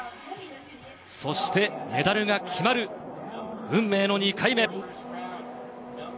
そしてメダルが決まる運命の２回目。